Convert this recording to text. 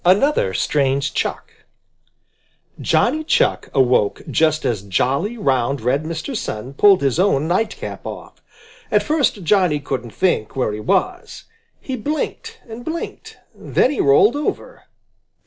ANOTHER STRANGE CHUCK Johnny Chuck awoke just as jolly, round, red Mr. Sun pulled his own nightcap off. At first Johnny couldn't think where he was. He blinked and blinked. Then he rolled over.